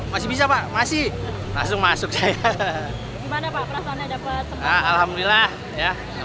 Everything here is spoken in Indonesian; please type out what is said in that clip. masih bisa pak masih langsung masuk alhamdulillah ya